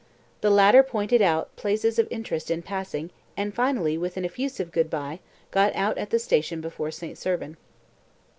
The latter pointed out places of interest in passing, and finally, with an effusive good bye, got out at the station before St. Servan.